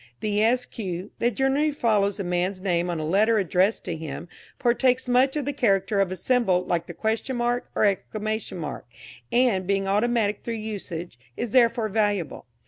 The "Esq." that generally follows a man's name on a letter addressed to him partakes much of the character of a symbol like the "?" or "!", and, being automatic through usage, is therefore valuable.